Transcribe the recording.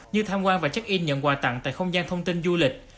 như tham quan và check in nhận quà tặng tại không gian thông tin du lịch